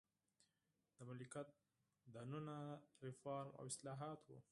د مملکت داخلي ریفورم او اصلاحات وو.